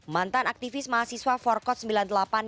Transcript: mantan aktivis mahasiswa forkon